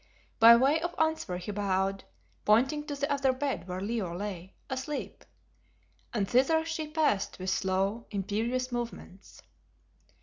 By way of answer he bowed, pointing to the other bed where Leo lay, asleep, and thither she passed with slow, imperious movements.